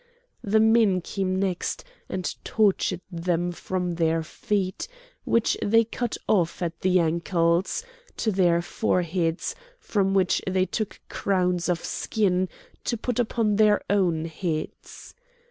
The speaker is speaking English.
The men came next and tortured them from their feet, which they cut off at the ankles, to their foreheads, from which they took crowns of skin to put upon their own heads.